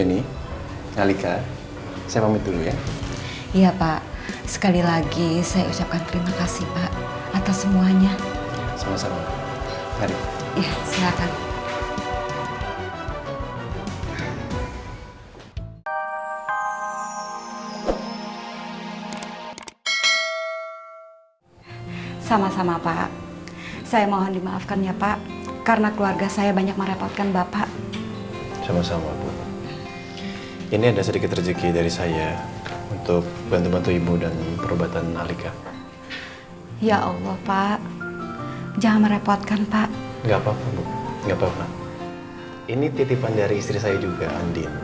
ini titipan dari istri saya juga andin